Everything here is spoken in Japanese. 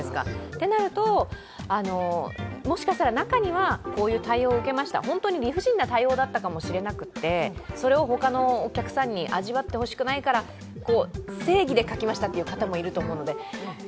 てなると、もしかしたら、中にはこういう対応を受けました、理不尽な対応だったかもしれないからそれを他のお客さんに味わってほしくないから正義で書きましたという方もいると思うので。